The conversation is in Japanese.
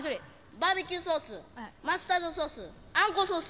バーベキューソースマスタードソースあんこソース。